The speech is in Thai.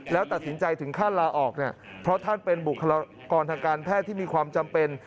แล้วตัดสินใจถึงขั้นลาออกเนี่ยเพราะท่านเป็นบุคลากรทางการแพทย์ที่มีความจำเป็น